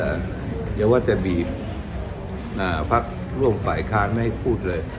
อย่าว่าจะบีบอ่าพักร่วมฝ่ายค้านไม่ให้พูดเลย